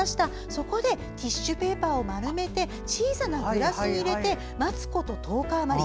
そこでティッシュペーパーを丸めて小さなグラスに入れて待つこと１０日あまり。